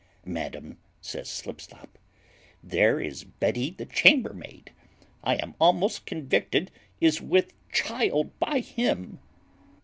"Madam," says Slipslop, "there is Betty the chambermaid, I am almost convicted, is with child by him."